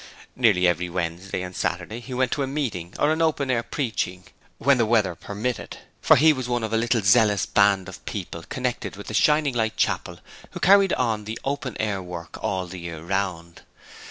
Nearly every Wednesday and Saturday he went to a meeting, or an open air preaching, when the weather permitted, for he was one of a little zealous band of people connected with the Shining Light Chapel who carried on the 'open air' work all the year round.